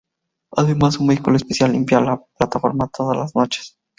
Además un vehículo especial limpia la plataforma todas las noches.